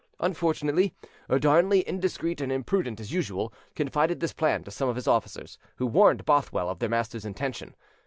Unfortunately, Darnley, indiscreet and imprudent as usual, confided this plan to some of his officers, who warned Bothwell of their master's intention.